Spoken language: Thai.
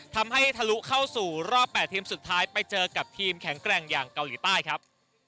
ทำให้ทะลุเข้าสู่รอบ๘ทีมสุดท้ายไปเจอกับทีมแข็งแกร่งอย่างเกาหลีใต้ครับ